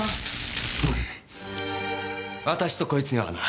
ふん私とこいつにはな。